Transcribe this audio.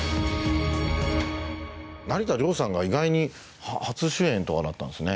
成田凌さんが意外に初主演とかだったんですね。